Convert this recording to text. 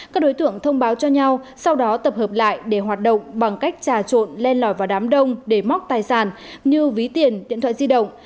các đối tượng thông báo cho nhau sau đó tập hợp lại để hoạt động bằng cách trà trộn lên lòi vào đám đông để móc tài sản như ví tiền điện thoại di động